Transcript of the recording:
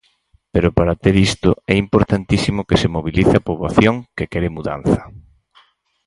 Pero para ter isto é importantísimo que se mobilice a poboación que quere mudanza.